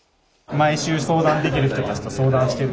毎週相談できる人たちと相談してる？